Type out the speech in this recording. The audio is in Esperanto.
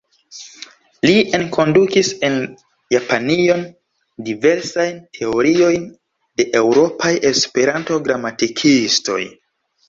Li enkondukis en Japanion diversajn teoriojn de eŭropaj Esperanto-gramatikistoj.